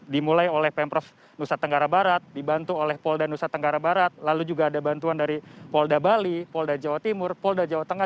dimulai oleh pemprov nusa tenggara barat dibantu oleh polda nusa tenggara barat lalu juga ada bantuan dari polda bali polda jawa timur polda jawa tengah